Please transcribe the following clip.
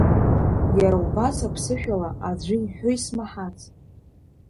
Иара убас аԥсышәала аӡәы иҳәо исмаҳац…